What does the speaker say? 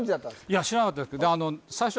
いや知らなかったです